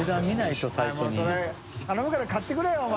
修頼むから買ってくれよお前。